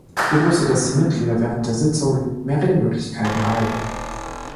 Ich begrüße, dass die Mitglieder während der Sitzungen mehr Redemöglichkeiten erhalten.